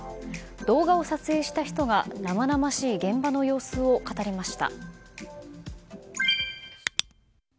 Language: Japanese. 動画を撮影した人が生々しい現場の様子を語りました。